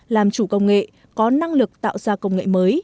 làm chủ công nghệ có năng lực tạo ra công nghệ mới